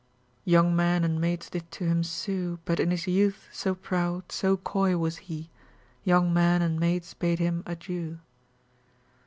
Young men and maids did to him sue, But in his youth, so proud, so coy was he, Young men and maids bade him adieu.